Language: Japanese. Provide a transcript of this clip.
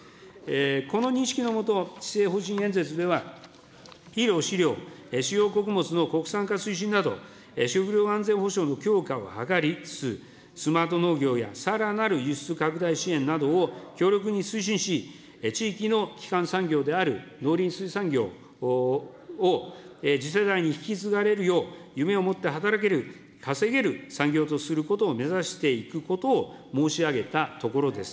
この認識のもと、施政方針演説では、肥料、飼料、主要穀物の国産化推進など、食料安全保障の強化を図りつつ、スマート農業やさらなる輸出拡大支援などを強力に推進し、地域の基幹産業である農林水産業を次世代に引き継がれるよう、夢を持って働ける、稼げる産業とすることを目指していくことを申し上げたところです。